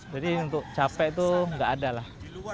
jadi untuk capek itu tidak ada lah